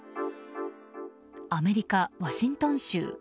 アメリカ・ワシントン州。